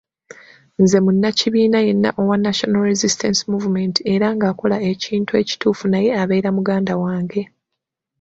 Nze munnakibiina yenna owa National Resistance Movement era ng'akola ekintu ekituufu naye abeera muganda wange.